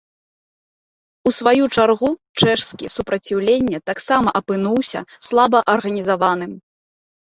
У сваю чаргу, чэшскі супраціўленне таксама апынуўся слаба арганізаваным.